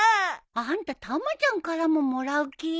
あんたたまちゃんからももらう気？